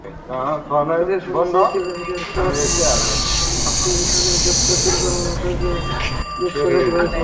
তাঁদের সঙ্গে সিটি ব্যাংকের কার্ড ডিভিশনের গ্রেপ্তার তিন কর্মকর্তারও যোগসাজশ রয়েছে।